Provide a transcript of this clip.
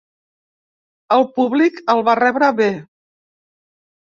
El públic el va rebre bé.